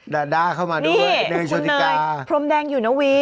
ดาราเข้ามาดูนี่คุณเนยโพรมแดงอยู่นะวิ